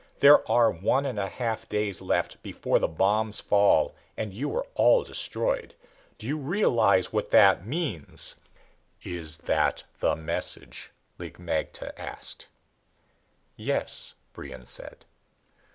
There are one and a half days left before the bombs fall and you are all destroyed. Do you realize what that means " "Is that the message?" Lig magte asked. "Yes," Brion said.